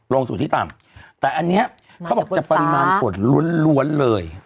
ลงสู่ที่ต่ำแต่อันนี้เขาบอกจะปริมาณฝนล้วนล้วนเลย